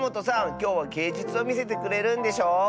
きょうはげいじゅつをみせてくれるんでしょ？